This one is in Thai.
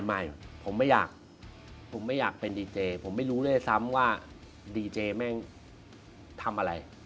ไม่ผมไม่อยากผมไม่อยากเป็นดีเจผมไม่รู้ด้วยซ้ำว่าดีเจแม่งทำอะไร